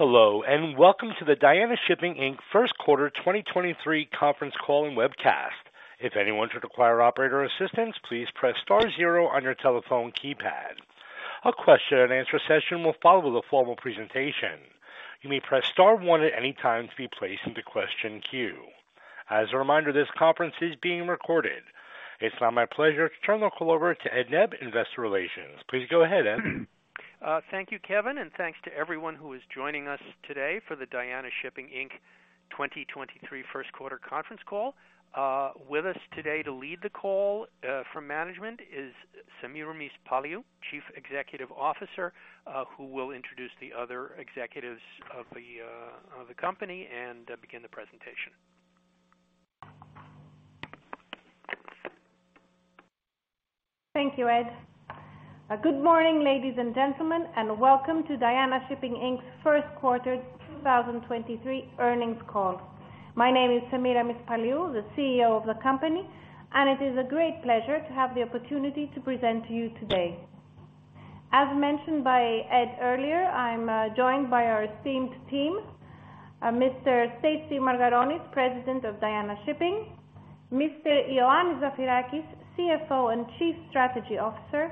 Hello, and welcome to the Diana Shipping Inc. First Quarter 2023 conference call and webcast. If anyone should require operator assistance, please press star zero on your telephone keypad. A question and answer session will follow the formal presentation. You may press star one at any time to be placed in the question queue. As a reminder, this conference is being recorded. It's now my pleasure to turn the call over to Ed Nebb, Investor Relations. Please go ahead, Ed. Thank you, Kevin, and thanks to everyone who is joining us today for the Diana Shipping Inc. 2023 first quarter conference call. With us today to lead the call from management is Semiramis Paliou, Chief Executive Officer, who will introduce the other executives of the company and begin the presentation. Thank you, Ed. Good morning, ladies and gentlemen, and welcome to Diana Shipping Inc.'s first quarter 2023 earnings call. My name is Semiramis Paliou, the Chief Executive Officer of the company, and it is a great pleasure to have the opportunity to present to you today. As mentioned by Ed earlier, I'm joined by our esteemed team, Mr. Anastasios C. Margaronis, President of Diana Shipping, Mr. Ioannis Zafirakis, Chief Financial Officer and Chief Strategy Officer,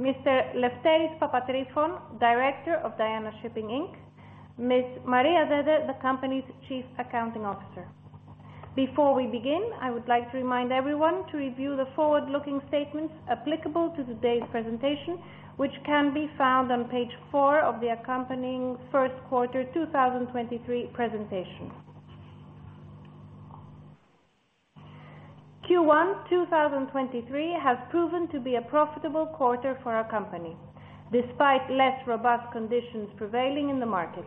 Mr. Lefteris Papatrifon, Director of Diana Shipping Inc., Ms. Maria Dede, the company's Chief Accounting Officer. Before we begin, I would like to remind everyone to review the forward-looking statements applicable to today's presentation, which can be found on page four of the accompanying first quarter 2023 presentation. Q1 2023 has proven to be a profitable quarter for our company, despite less robust conditions prevailing in the market.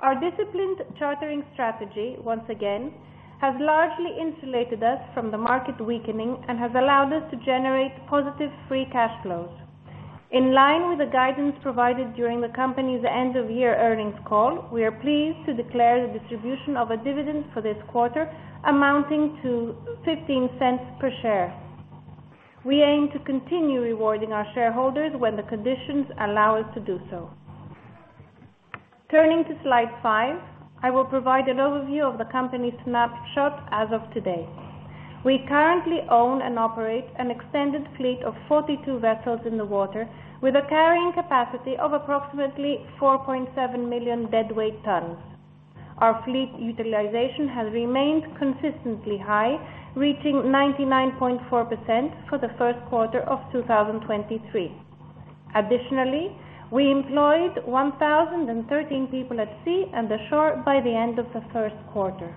Our disciplined chartering strategy, once again, has largely insulated us from the market weakening and has allowed us to generate positive free cash flows. In line with the guidance provided during Diana Shipping Inc.'s end-of-year earnings call, we are pleased to declare the distribution of a dividend for this quarter, amounting to $0.15 per share. We aim to continue rewarding our shareholders when the conditions allow us to do so. Turning to slide five, I will provide an overview of the company's snapshot as of today. We currently own and operate an extended fleet of 42 vessels in the water with a carrying capacity of approximately 4.7 million deadweight tons. Our fleet utilization has remained consistently high, reaching 99.4% for the first quarter of 2023. Additionally, we employed 1,013 people at sea and the shore by the end of the first quarter.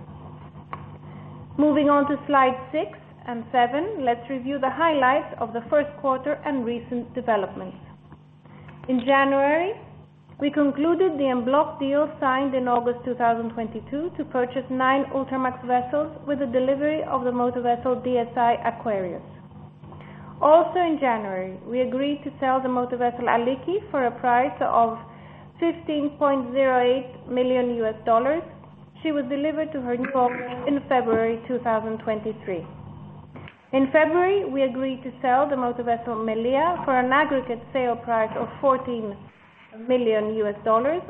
Moving on to slide six and seven, let's review the highlights of the first quarter and recent developments. In January, we concluded the en bloc deal signed in August 2022 to purchase nine Ultramax vessels with the delivery of the motor vessel DSI Aquarius. Also in January, we agreed to sell the motor vessel Aliki for a price of $15.08 million. She was delivered to her new owners in February 2023. In February, we agreed to sell the motor vessel Melia for an aggregate sale price of $14 million,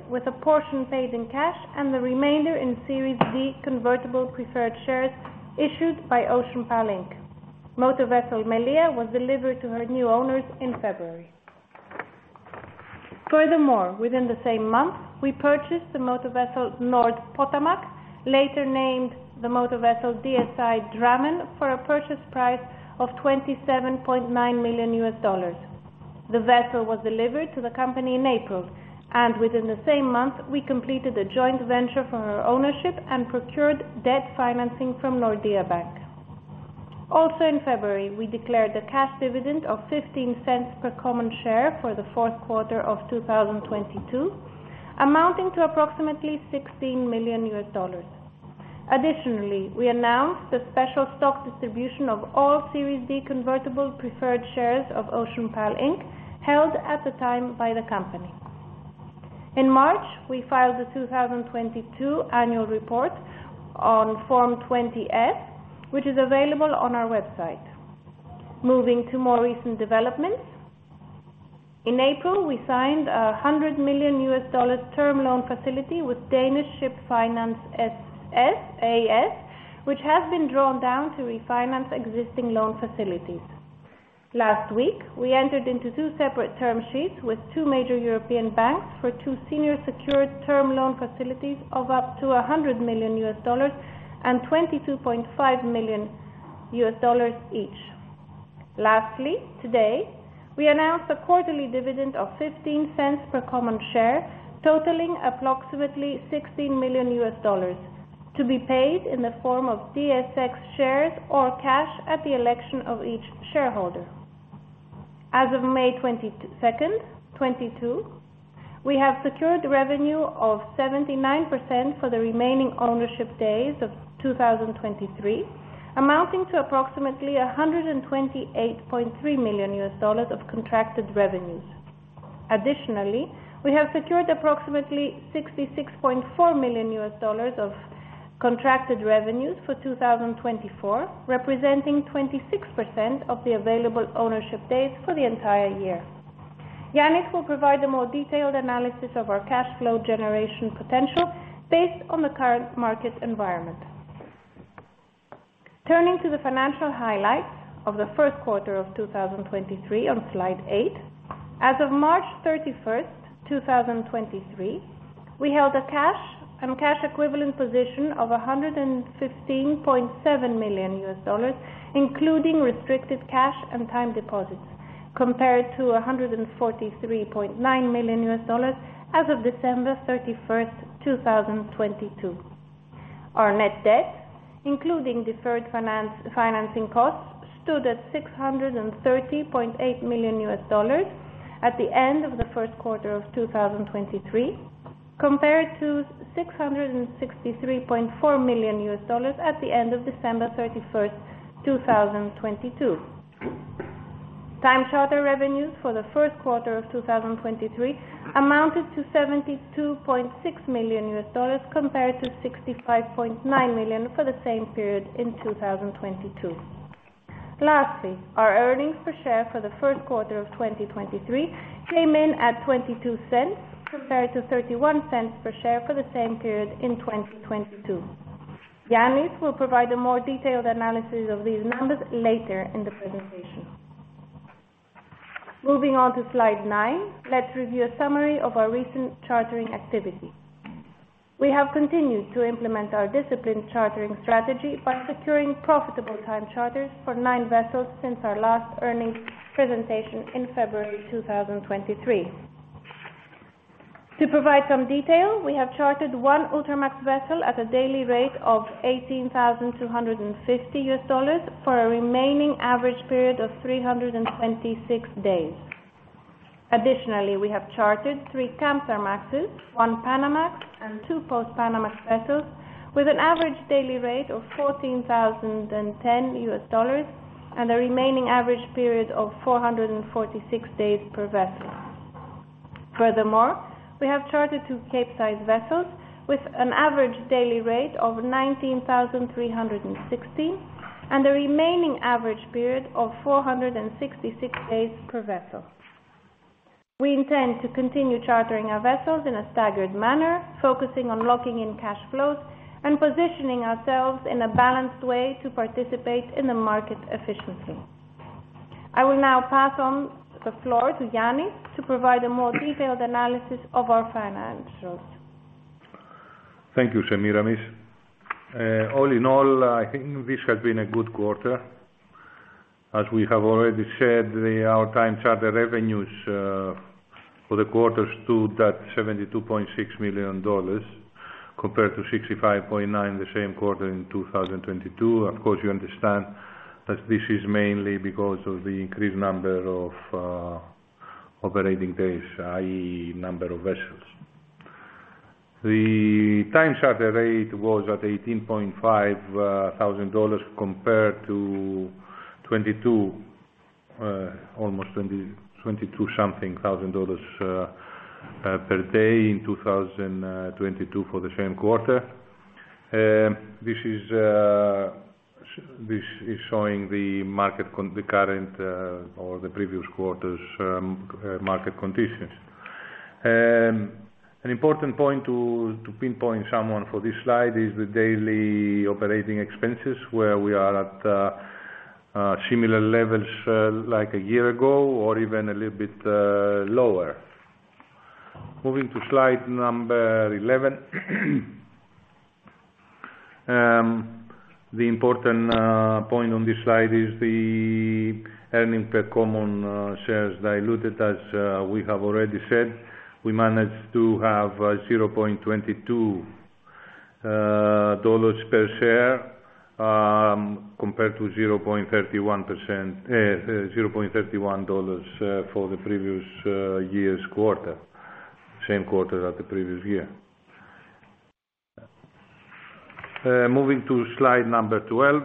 with a portion paid in cash and the remainder in Series B convertible preferred shares issued by OceanPal Inc. Motor vessel Melia was delivered to her new owners in February. Within the same month, we purchased the motor vessel Nord Potomac, later named the motor vessel DSI Drammen, for a purchase price of $27.9 million. The vessel was delivered to the company in April, and within the same month, we completed a joint venture for her ownership and procured debt financing from Nordea Bank. In February, we declared a cash dividend of $0.15 per common share for the fourth quarter of 2022, amounting to approximately $16 million. We announced a special stock distribution of all Series B convertible preferred shares of OceanPal Inc., held at the time by the company. In March, we filed the 2022 annual report on Form 20-F, which is available on our website. Moving to more recent developments. In April, we signed a $100 million term loan facility with Danish Ship Finance A/S, which has been drawn down to refinance existing loan facilities. Last week, we entered into two separate term sheets with two major European banks for two senior secured term loan facilities of up to $100 million and $22.5 million each. Lastly, today, we announced a quarterly dividend of $0.15 per common share, totaling approximately $16 million to be paid in the form of DSX shares or cash at the election of each shareholder. As of May 22, 2022, we have secured revenue of 79% for the remaining ownership days of 2023, amounting to approximately $128.3 million of contracted revenues. Additionally, we have secured approximately $66.4 million of.contracted revenues for 2024, representing 26% of the available ownership days for the entire year. Ioannis will provide a more detailed analysis of our cash flow generation potential based on the current market environment. Turning to the financial highlights of the first quarter of 2023 on slide eight. As of March 31st, 2023, we held a cash and cash equivalent position of $115.7 million, including restricted cash and time deposits, compared to $143.9 million as of December 31st, 2022. Our net debt, including deferred financing costs, stood at $630.8 million at the end of the first quarter of 2023, compared to $663.4 million at the end of December 31st, 2022. Time charter revenues for the first quarter of 2023 amounted to $72.6 million, compared to $65.9 million for the same period in 2022. Lastly, our earnings per share for the first quarter of 2023 came in at $0.22, compared to $0.31 per share for the same period in 2022. Ioannis will provide a more detailed analysis of these numbers later in the presentation. Moving on to slide nine, let's review a summary of our recent chartering activity. We have continued to implement our disciplined chartering strategy by securing profitable time charters for nine vessels since our last earnings presentation in February 2023. To provide some detail, we have chartered one Ultramax vessel at a daily rate of $18,250 for a remaining average period of 326 days. Additionally, we have chartered three Kamsarmaxes, one Panamax, and two Post-Panamax vessels, with an average daily rate of $14,010 and a remaining average period of 446 days per vessel. Furthermore, we have chartered two Capesize vessels with an average daily rate of $19,360 and a remaining average period of 466 days per vessel. We intend to continue chartering our vessels in a staggered manner, focusing on locking in cash flows and positioning ourselves in a balanced way to participate in the market efficiency. I will now pass on the floor to Ioannis to provide a more detailed analysis of our financials. Thank you, Semiramis. All in all, I think this has been a good quarter. As we have already said, our time charter revenues for the quarter stood at $72.6 million, compared to $65.9 million the same quarter in 2022. Of course, you understand that this is mainly because of the increased number of operating days, i.e., number of vessels. The time charter rate was at $18.5 thousand, compared to $22, almost $20, $22 something thousand dollars per day in 2022 for the same quarter. This is showing the current or the previous quarter's market conditions. An important point to pinpoint someone for this slide is the daily operating expenses, where we are at similar levels like a year ago or even a little bit lower. Moving to slide 11. The important point on this slide is the earnings per common shares diluted. As we have already said, we managed to have $0.22 per share compared to 0.31%, $0.31 for the previous year's quarter, same quarter as the previous year. Moving to slide 12.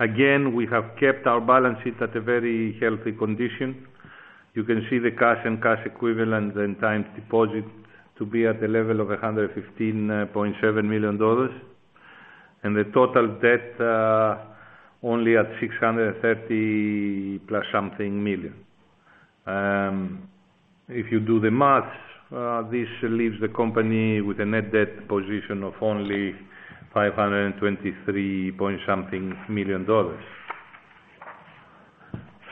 Again, we have kept our balance sheet at a very healthy condition. You can see the cash and cash equivalent and time deposits to be at a level of $115.7 million, the total debt, only at $630 plus something million. If you do the math, this leaves the company with a net debt position of only $523 point something million.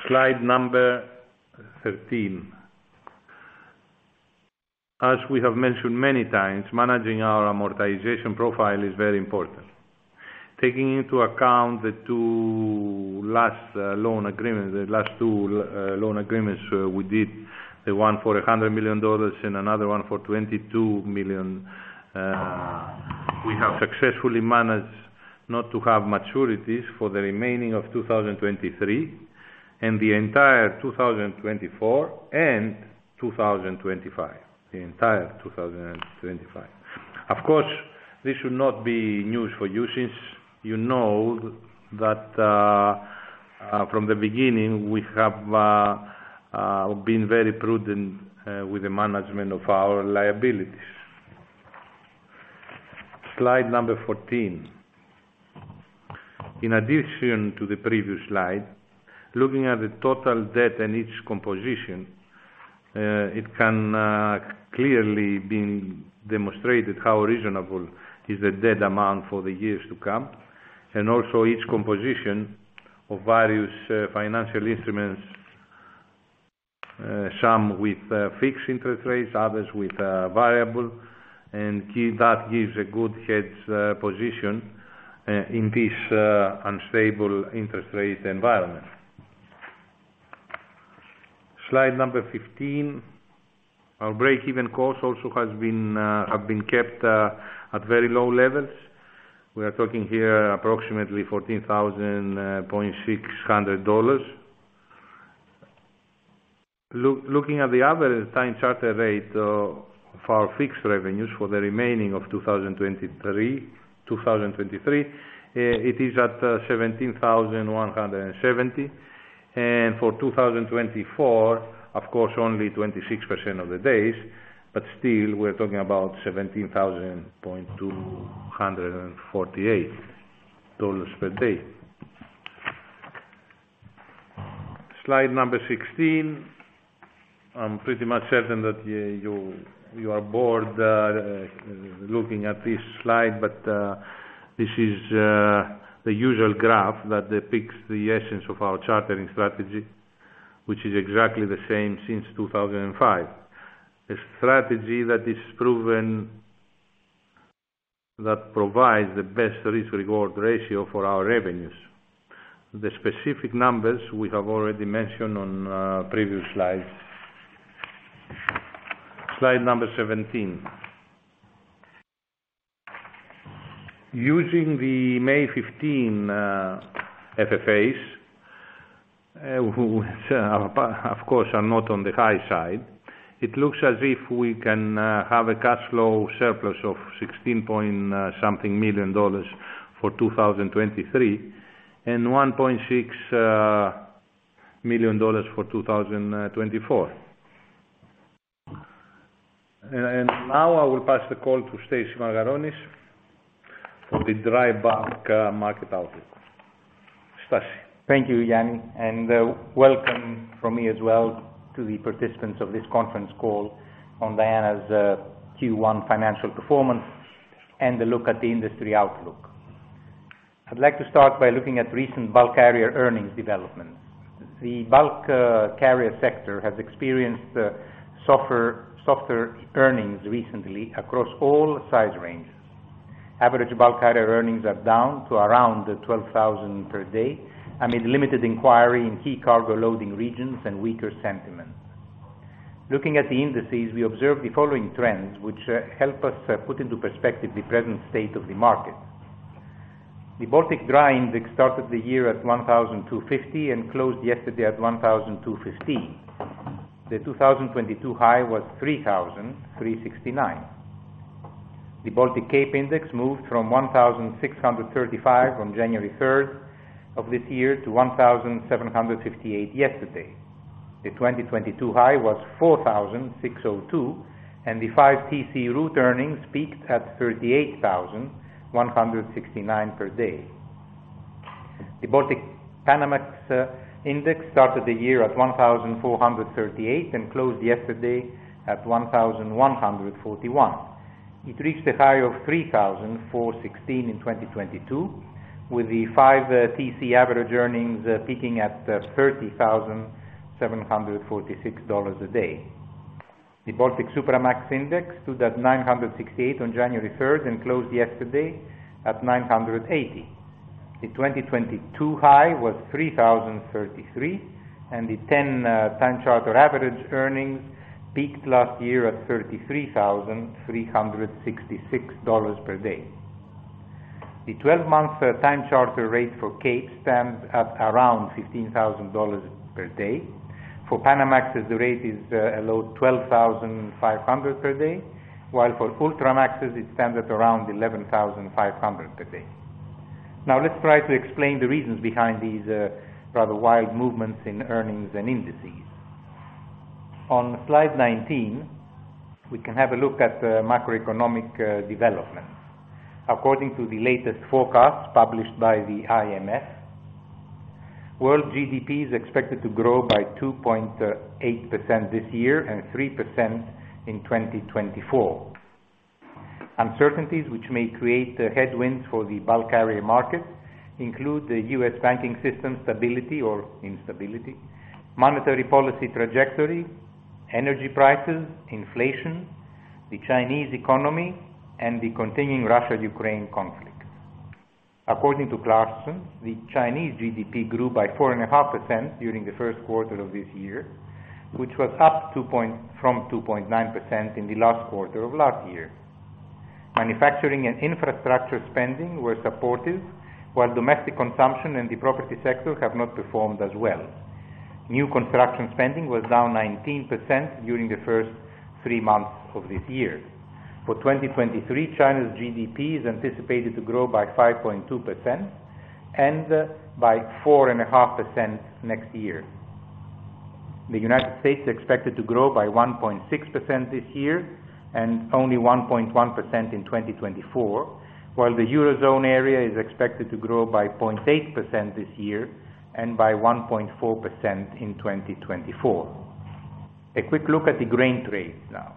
Slide number 13. As we have mentioned many times, managing our amortization profile is very important. Taking into account the last two loan agreements we did, the one for $100 million and another one for $22 million, we have successfully managed not to have maturities for the remaining of 2023 and the entire 2024 and the entire 2025. Of course, this should not be news for you, since you know that from the beginning, we have been very prudent with the management of our liabilities. Slide number 14. In addition to the previous slide, looking at the total debt and its composition, it can clearly been demonstrated how reasonable is the debt amount for the years to come, and also each composition of various financial instruments, some with fixed interest rates, others with variable, and key that gives a good hedge position in this unstable interest rate environment. Slide number 15. Our break-even cost also has been have been kept at very low levels. We are talking here approximately $14,600. Looking at the average time charter rate for our fixed revenues for the remaining of 2023, it is at $17,170. For 2024, of course, only 26% of the days, but still, we're talking about $17,000.248 per day. Slide 16. I'm pretty much certain that you are bored looking at this slide, but this is the usual graph that depicts the essence of our chartering strategy, which is exactly the same since 2005. A strategy that is proven, that provides the best risk-reward ratio for our revenues. The specific numbers we have already mentioned on previous slides. Slide 17. Using the May 15 FFAs, who, of course, are not on the high side, it looks as if we can have a cash flow surplus of $16 point something million for 2023, and $1.6 million for 2024. Now I will pass the call to Anastasios Margaronis for the dry bulk market outlook. Anastasios? Thank you, Ioannis. Welcome from me as well to the participants of this conference call on Diana's Q1 financial performance, and a look at the industry outlook. I'd like to start by looking at recent bulk carrier earnings development. The bulk carrier sector has experienced softer earnings recently across all size ranges. Average bulk carrier earnings are down to around 12,000 per day, amid limited inquiry in key cargo loading regions and weaker sentiment. Looking at the indices, we observe the following trends, which help us put into perspective the present state of the market. The Baltic Dry Index started the year at 1,250 and closed yesterday at 1,215. The 2022 high was 3,369. The Baltic Capesize Index moved from 1,635 on January 3rd of this year to 1,758 yesterday. The 2022 high was 4,602, and the 5TC route earnings peaked at $38,169 per day. The Baltic Panamax Index started the year at 1,438 and closed yesterday at 1,141. It reached a high of 3,416 in 2022, with the 5TC average earnings peaking at $30,746 a day. The Baltic Supramax Index stood at 968 on January 3rd and closed yesterday at 980. The 2022 high was 3,033, and the 10 time charter average earnings peaked last year at $33,366 per day. The 12-month time charter rate for Capes stands at around $15,000 per day. For Panamax, the rate is below $12,500 per day, while for Ultramaxes, it stands at around $11,500 per day. Let's try to explain the reasons behind these rather wide movements in earnings and indices. On slide 19, we can have a look at the macroeconomic developments. According to the latest forecast published by the IMF, world GDP is expected to grow by 2.8% this year and 3% in 2024. Uncertainties which may create headwinds for the bulk carrier market include the U.S. banking system stability or instability, monetary policy trajectory, energy prices, inflation, the Chinese economy, and the continuing Russia-Ukraine conflict. According to Clarkson, the Chinese GDP grew by 4.5% during the first quarter of this year, which was up from 2.9% in the last quarter of last year. Manufacturing and infrastructure spending were supportive, while domestic consumption in the property sector have not performed as well. New construction spending was down 19% during the first three months of this year. For 2023, China's GDP is anticipated to grow by 5.2% and by 4.5% next year. The United States is expected to grow by 1.6% this year and only 1.1% in 2024, while the Eurozone area is expected to grow by 0.8% this year and by 1.4% in 2024. A quick look at the grain trade now.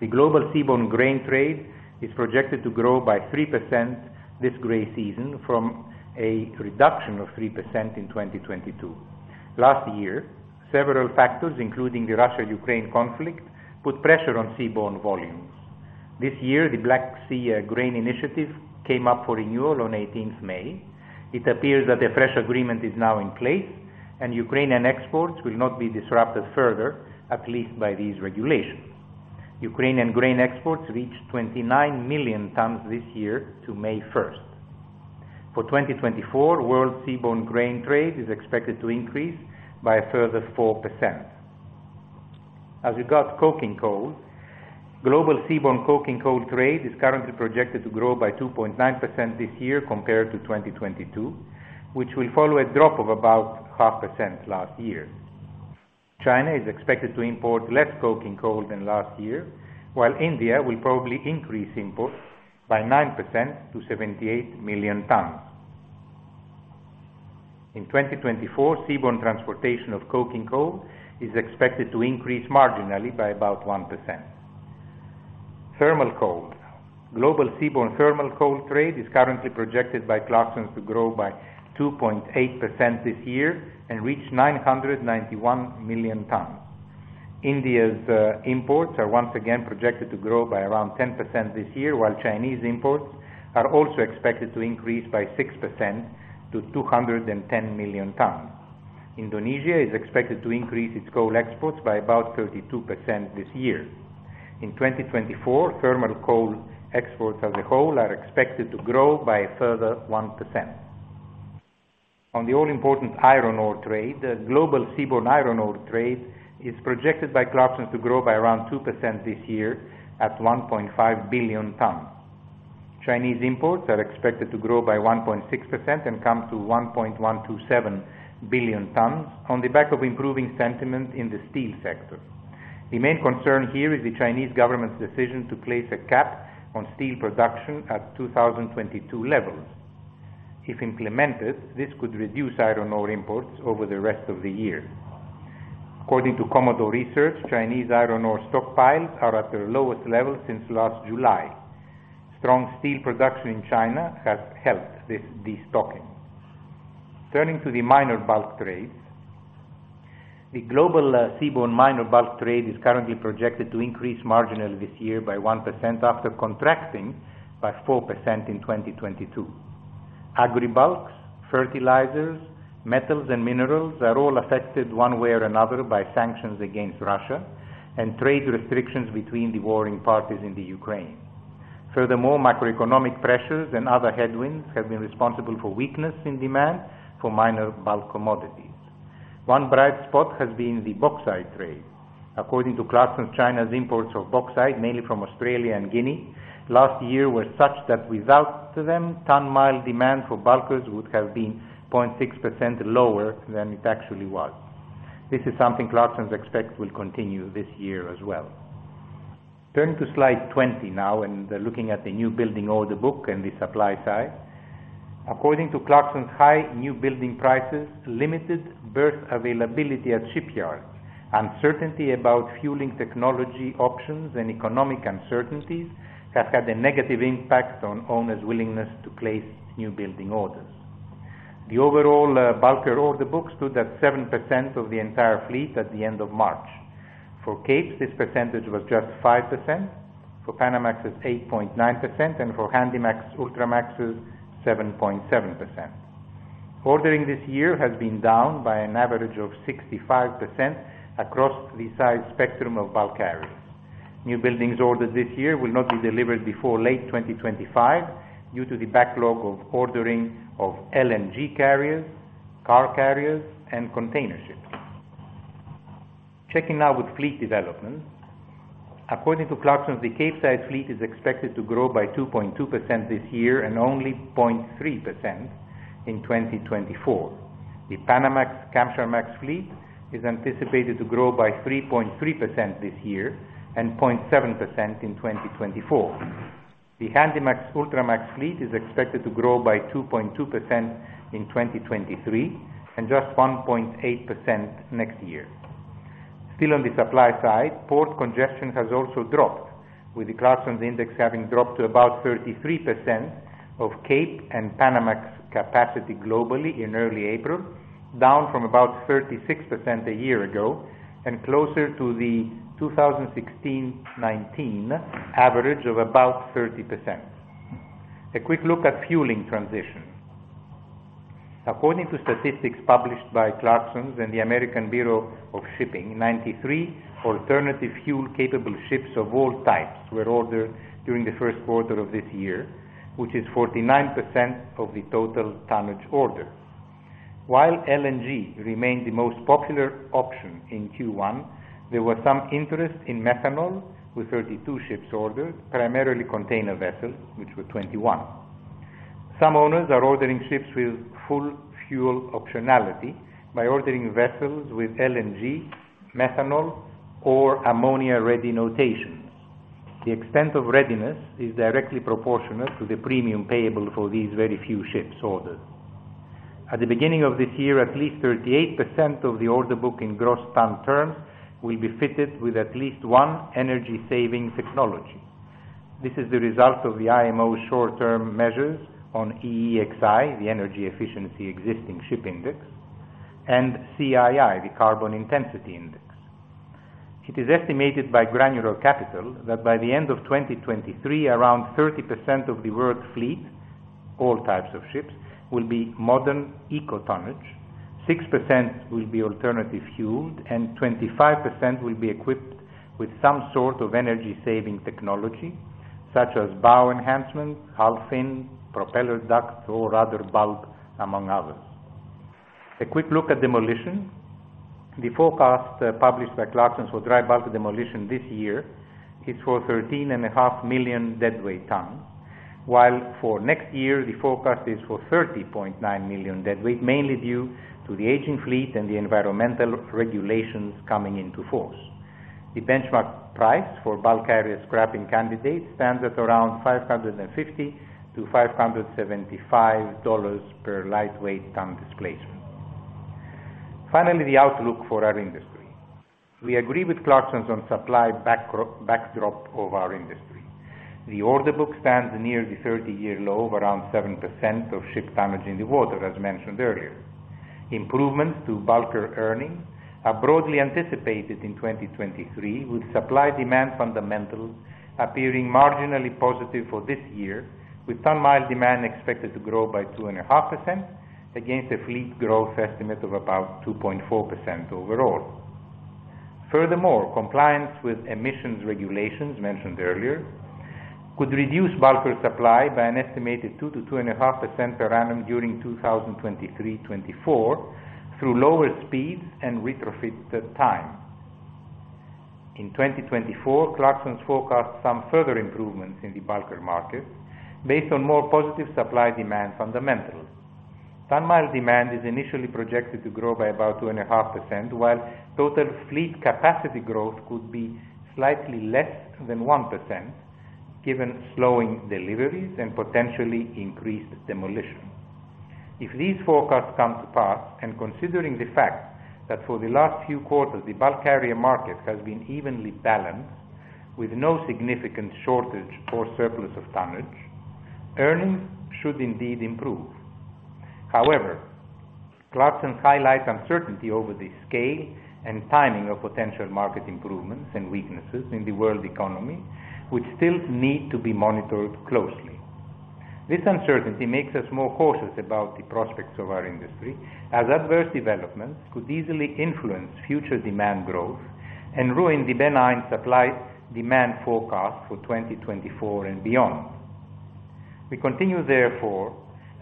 The global seaborne grain trade is projected to grow by 3% this grain season, from a reduction of 3% in 2022. Last year, several factors, including the Russia-Ukraine conflict, put pressure on seaborne volumes. This year, the Black Sea Grain Initiative came up for renewal on 18th May. It appears that a fresh agreement is now in place, and Ukrainian exports will not be disrupted further, at least by these regulations. Ukrainian grain exports reached 29 million tons this year to May first. For 2024, world seaborne grain trade is expected to increase by a further 4%. As regards coking coal, global seaborne coking coal trade is currently projected to grow by 2.9% this year compared to 2022, which will follow a drop of about 0.5% last year. China is expected to import less coking coal than last year, while India will probably increase imports by 9% to 78 million tons. In 2024, seaborne transportation of coking coal is expected to increase marginally by about 1%. Thermal coal. Global seaborne thermal coal trade is currently projected by Clarksons to grow by 2.8% this year and reach 991 million tons. India's imports are once again projected to grow by around 10% this year, while Chinese imports are also expected to increase by 6% to 210 million tons. Indonesia is expected to increase its coal exports by about 32% this year. In 2024, thermal coal exports as a whole are expected to grow by a further 1%. On the all-important iron ore trade, the global seaborne iron ore trade is projected by Clarksons to grow by around 2% this year at 1.5 billion tons. Chinese imports are expected to grow by 1.6% and come to 1.127 billion tons on the back of improving sentiment in the steel sector. The main concern here is the Chinese government's decision to place a cap on steel production at 2022 levels. If implemented, this could reduce iron ore imports over the rest of the year. According to Commodore Research, Chinese iron ore stockpiles are at their lowest level since last July. Strong steel production in China has helped this destocking. Turning to the minor bulk trade. The global seaborne minor bulk trade is currently projected to increase marginally this year by 1% after contracting by 4% in 2022. Agri bulks, fertilizers, metals and minerals are all affected one way or another by sanctions against Russia and trade restrictions between the warring parties in the Ukraine. Furthermore, macroeconomic pressures and other headwinds have been responsible for weakness in demand for minor bulk commodities. One bright spot has been the bauxite trade. According to Clarksons, China's imports of bauxite, mainly from Australia and Guinea, last year, were such that without them, ton-mile demand for bulkers would have been 0.6% lower than it actually was. This is something Clarksons expects will continue this year as well. Turning to slide 20 now, looking at the new building order book and the supply side. According to Clarksons, high new building prices, limited berth availability at shipyards, uncertainty about fueling technology options and economic uncertainties, have had a negative impact on owners' willingness to place new building orders. The overall bulker order book stood at 7% of the entire fleet at the end of March. For Capes, this percentage was just 5%, for Panamax, it's 8.9%, and for Handymax, Ultramaxes, 7.7%. Ordering this year has been down by an average of 65% across the size spectrum of bulk carriers. New buildings ordered this year will not be delivered before late 2025 due to the backlog of ordering of LNG carriers, car carriers, and container ships. Checking now with fleet development. According to Clarksons, the Capesize fleet is expected to grow by 2.2% this year and only 0.3% in 2024. The Panamax/Kamsarmax fleet is anticipated to grow by 3.3% this year and 0.7% in 2024. The Handymax, Ultramax fleet is expected to grow by 2.2% in 2023, and just 1.8% next year. Still on the supply side, port congestion has also dropped, with the Clarksons index having dropped to about 33% of Cape and Panamax capacity globally in early April, down from about 36% a year ago, and closer to the 2016. 2019 average of about 30%. A quick look at fueling transition. According to statistics published by Clarksons and the American Bureau of Shipping, 93 alternative fuel-capable ships of all types were ordered during the first quarter of this year, which is 49% of the total tonnage order. While LNG remained the most popular option in Q1, there were some interest in methanol, with 32 ships ordered, primarily container vessels, which were 21. Some owners are ordering ships with full fuel optionality by ordering vessels with LNG, methanol, or ammonia-ready notations. The extent of readiness is directly proportionate to the premium payable for these very few ships ordered. At the beginning of this year, at least 38% of the order book in gross ton terms will be fitted with at least one energy-saving technology. This is the result of the IMO short-term measures on EEXI, the Energy Efficiency Existing Ship Index, and CII, the Carbon Intensity Indicator. It is estimated by Granular Capital that by the end of 2023, around 30% of the world fleet, all types of ships, will be modern eco tonnage, 6% will be alternative fueled, and 25% will be equipped with some sort of energy-saving technology, such as bow enhancement, hull fin, propeller ducts, or rudder bulb, among others. A quick look at demolition. The forecast published by Clarksons for dry bulk demolition this year is for 13,500 million deadweight tons, while for next year, the forecast is for 30.9 million deadweight, mainly due to the aging fleet and the environmental regulations coming into force. The benchmark price for bulk carrier scrapping candidates stands at around $550-$575 per lightweight ton displacement. The outlook for our industry. We agree with Clarksons on supply backdrop of our industry. The order book stands near the 30-year low of around 7% of ship tonnage in the water, as mentioned earlier. Improvements to bulker earnings are broadly anticipated in 2023, with supply-demand fundamentals appearing marginally positive for this year, with ton-mile demand expected to grow by 2.5% against a fleet growth estimate of about 2.4% overall. Compliance with emissions regulations mentioned earlier, could reduce bulker supply by an estimated 2%-2.5% per annum during 2023-2024, through lower speeds and retrofitted time. In 2024, Clarksons forecast some further improvements in the bulker market based on more positive supply-demand fundamentals. Ton-mile demand is initially projected to grow by about 2.5%, while total fleet capacity growth could be slightly less than 1%, given slowing deliveries and potentially increased demolition. If these forecasts come to pass, and considering the fact that for the last few quarters, the bulk carrier market has been evenly balanced with no significant shortage or surplus of tonnage, earnings should indeed improve. However, Clarksons highlight uncertainty over the scale and timing of potential market improvements and weaknesses in the world economy, which still need to be monitored closely. This uncertainty makes us more cautious about the prospects of our industry, as adverse developments could easily influence future demand growth and ruin the benign supply-demand forecast for 2024 and beyond. We continue, therefore,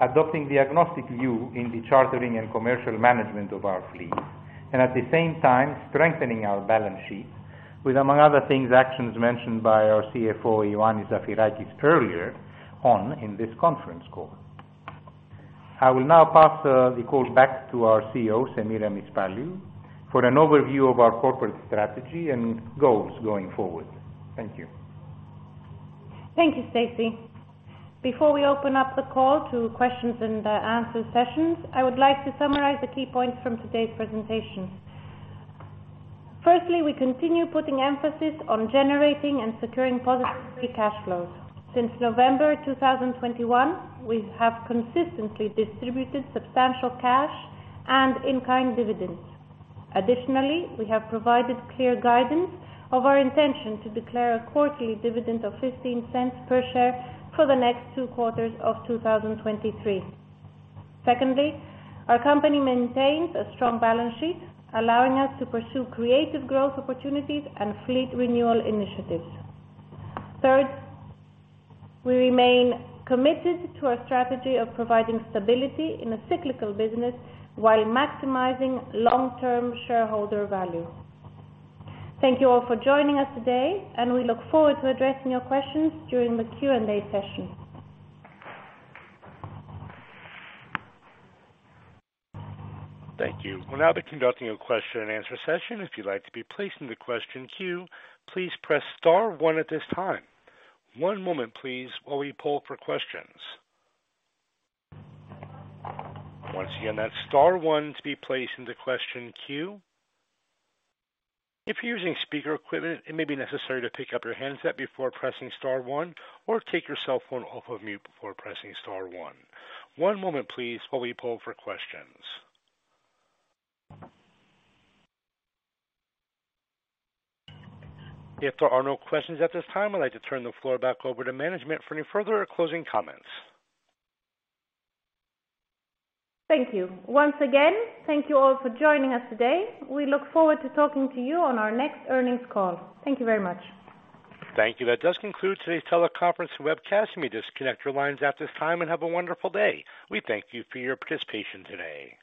adopting the agnostic view in the chartering and commercial management of our fleet, and at the same time strengthening our balance sheet with, among other things, actions mentioned by our Chief Financial Officer, Ioannis Zafirakis, earlier on in this conference call. I will now pass the call back to our Chief Executive Officer, Semiramis Paliou, for an overview of our corporate strategy and goals going forward. Thank you. Thank you, Anastasios. Before we open up the call to questions and answer sessions, I would like to summarize the key points from today's presentation. Firstly, we continue putting emphasis on generating and securing positive free cash flows. Since November 2021, we have consistently distributed substantial cash and in-kind dividends. Additionally, we have provided clear guidance of our intention to declare a quarterly dividend of $0.15 per share for the next two quarters of 2023. Secondly, our company maintains a strong balance sheet, allowing us to pursue creative growth opportunities and fleet renewal initiatives. Third, we remain committed to our strategy of providing stability in a cyclical business while maximizing long-term shareholder value. Thank you all for joining us today. We look forward to addressing your questions during the Q&A session. Thank you. We'll now be conducting a question and answer session. If you'd like to be placed in the question queue, please press star one at this time. One moment, please, while we pull for questions. Once again, that's star one to be placed in the question queue. If you're using speaker equipment, it may be necessary to pick up your handset before pressing star one, or take your cellphone off of mute before pressing star one. One moment, please, while we pull for questions. If there are no questions at this time, I'd like to turn the floor back over to management for any further closing comments. Thank you. Once again, thank you all for joining us today. We look forward to talking to you on our next earnings call. Thank you very much. Thank you. That does conclude today's teleconference webcast. You may disconnect your lines at this time and have a wonderful day. We thank you for your participation today.